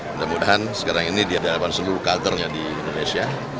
mudah mudahan sekarang ini di hadapan seluruh culture nya di indonesia